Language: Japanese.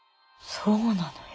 そうなのよ。